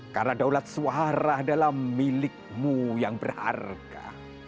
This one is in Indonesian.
karena daulat suara adalah milikmu yang berharga